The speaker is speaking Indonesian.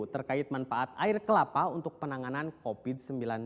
terkait manfaat air kelapa untuk penanganan covid sembilan belas